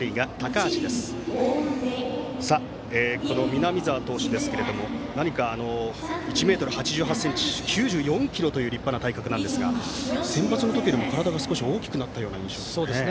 南澤投手ですけども１ｍ８８ｃｍ、９４ｋｇという立派な体格なんですがセンバツの時より体が大きくなった印象です。